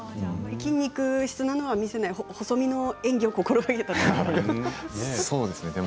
筋肉質なのは見せないで細身な演技を心がけていたんですね。